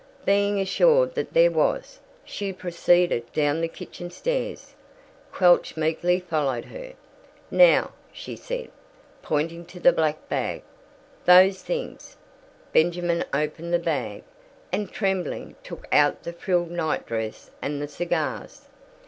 Being assured that there was, she proceeded down the kitchen stairs, Quelch meekly following her. "Now," she said, pointing to the black bag, "those things!" Benjamin opened the bag, and tremblingly took out the frilled night dress and the cigars.